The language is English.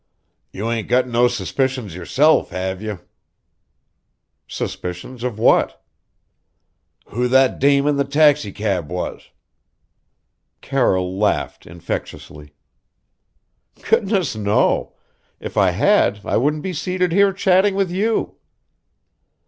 "You ain't got no suspicions yourself, have you?" "Suspicions of what?" "Who that dame in the taxicab was." Carroll laughed infectiously. "Goodness, no! If I had, I wouldn't be seated here chatting with you."